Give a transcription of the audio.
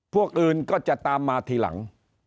พวกอื่นก็จะตามมาทีหลัง